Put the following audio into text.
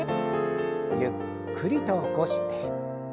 ゆっくりと起こして。